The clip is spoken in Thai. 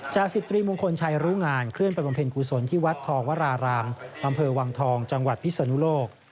จาก๑๐ตรีมงคลชัยรู้งานเคลื่อนไปบำเพ็ญกุศลที่วัดทองวรารามอำเภอวังทองจังหวัดพิศนุโลก